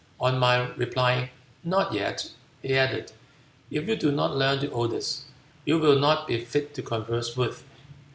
On my replying, 'Not yet,' he added, 'If you do not learn the Odes, you will not be fit to converse with.'